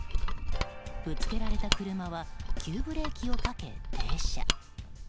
ぶつけられた車は急ブレーキをかけ停車。